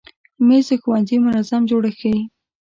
مېز د ښوونځي منظم جوړښت ښیي.